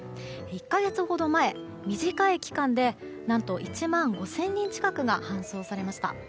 １か月ほど前、短い期間で何と１万５０００人近くが搬送されました。